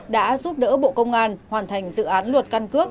đã giúp đỡ bộ công an hoàn thành dự án luật căn cước